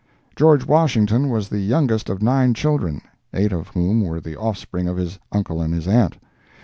George Washington was the youngest of nine children, eight of whom were the offspring of his uncle and his aunt.